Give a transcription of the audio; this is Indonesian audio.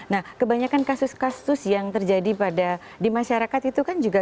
nah kebanyakan kasus kasus yang terjadi pada di masyarakat itu kan juga